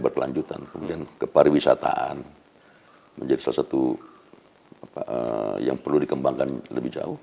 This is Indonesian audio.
berkelanjutan kemudian kepariwisataan menjadi salah satu apa yang perlu dikembangkan lebih jauh